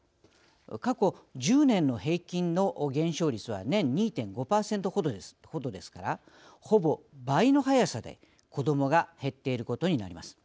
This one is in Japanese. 過去１０年の平均の減少率は年２．５％程ですからほぼ倍の早さで子どもが減っていることになります。